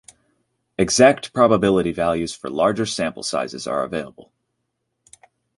Exact probability values for larger sample sizes are available.